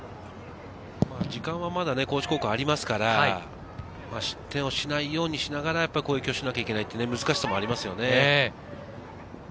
時間はまだ高知高校ありますから、失点をしないようにしながら攻撃をしなきゃいけない難しさもありますね。